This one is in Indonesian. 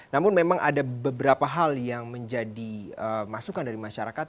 namun memang ada beberapa hal yang menjadi masukan dari masyarakat